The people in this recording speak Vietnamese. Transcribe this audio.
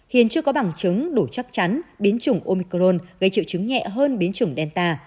hiện chưa có bằng chứng đủ chắc chắn biến chủng omicron gây triệu chứng nhẹ hơn biến chủng delta